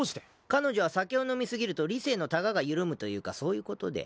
彼女は酒を飲み過ぎると理性のたがが緩むというかそういうことで。